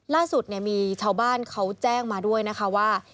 ล่าสุดมีชาวบ้านเขาแจ้งมาด้วยนะคะว่า